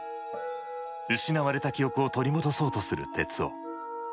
失われた記憶を取り戻そうとする徹生。